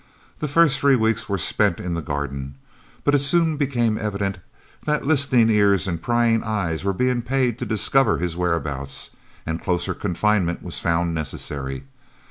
The first three weeks were spent in the garden, but it soon became evident that listening ears and prying eyes were being paid to discover his whereabouts, and closer confinement was found necessary.